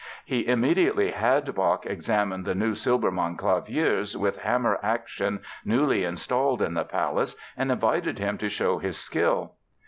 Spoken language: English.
He immediately had Bach examine the new Silbermann claviers with hammer action newly installed in the palace and invited him to show his skill.